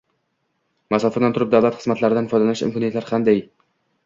Masofadan turib davlat xizmatlaridan foydalanish: imkoniyatlar qanday?ng